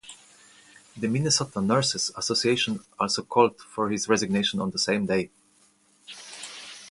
The Minnesota Nurses Association also called for his resignation on the same day.